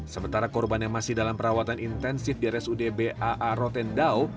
sementara korban yang masih dalam perawatan intensif di rsudbaa rotendao